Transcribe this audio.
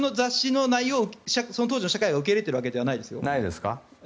その雑誌の内容をその当時の社会が受け入れているわけではないですよ。